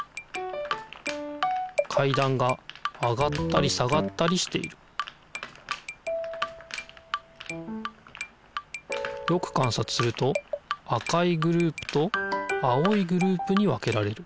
かいだんが上がったり下がったりしているよくかんさつすると赤いグループと青いグループに分けられる。